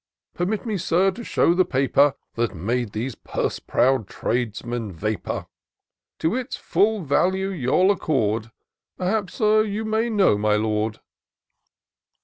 Permit me. Sir, to show the paper That made these purse proud tradesmen vapour; To its full value you'll accord ;— Perhaps, Sir, you may know my Lord."